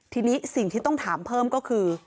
ทีนี้สิ่งที่ต้องถามเพิ่มก็คือ